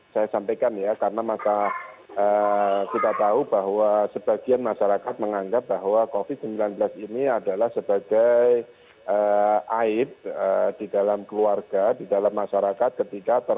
saya sampaikan ya karena maka kita tahu bahwa sebagian masyarakat menganggap bahwa covid sembilan belas ini adalah sebagai aid di dalam keluarga di dalam masyarakat ketika covid sembilan belas ini